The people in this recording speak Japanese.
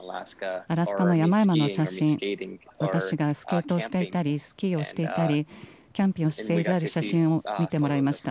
アラスカの山々の写真、私がスケートをしていたり、スキーをしていたり、キャンプをしている写真を見てもらいました。